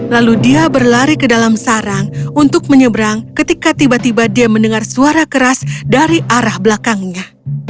lalu dia berlari ke dalam sarang untuk menyeberang ketika tiba tiba dia mendengar suara keras dari arah belakangnya